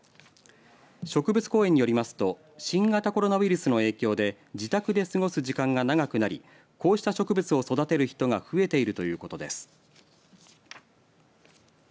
植物公園によりますと新型コロナウイルスの影響で自宅で過ごす時間が長くなりこうした植物を育てる人が増えているということです。